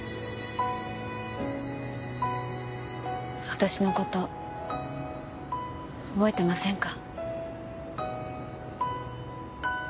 私のこと覚えてませんか？